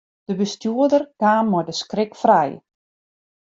De bestjoerder kaam mei de skrik frij.